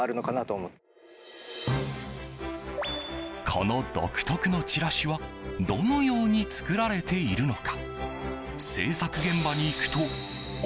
この独特のチラシはどのように作られているのか。